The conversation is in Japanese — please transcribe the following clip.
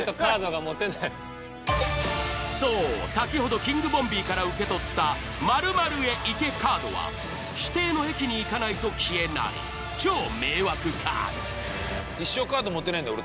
そう先ほどキングボンビーから受け取った○○へ行けカードは指定の駅に行かないと消えない超迷惑カード。